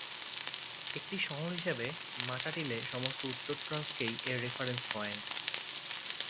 একটি শহর হিসাবে, মাটাটিলে সমস্ত উত্তর ট্রান্সকেই এর রেফারেন্স পয়েন্ট।